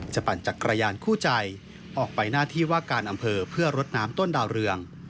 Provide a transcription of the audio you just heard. ปั่นจักรยานคู่ใจออกไปหน้าที่ว่าการอำเภอเพื่อรดน้ำต้นดาวเรือง